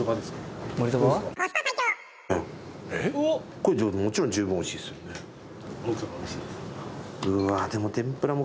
これもちろんじゅうぶんおいしいですよね。